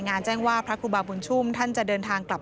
ยึดมั่นในหลักธรรมที่พระครูบาบุญชุมท่านได้สอนเอาไว้ค่ะ